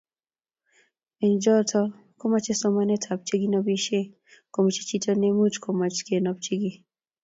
eng choto ,komechei somanetab cheginobishe komeche chito nemuch komach kenopchi kiiy